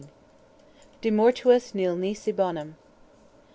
DE MORTUIS NIL NISI BONUM.